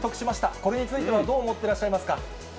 これについてはどう思ってらっしゃいますか。